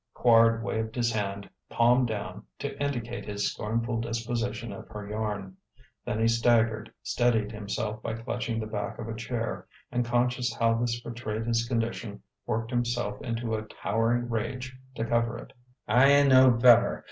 Quard waved his hand, palm down, to indicate his scornful disposition of her yarn. Then he staggered, steadied himself by clutching the back of a chair, and conscious how this betrayed his condition, worked himself into a towering rage to cover it. "I know better.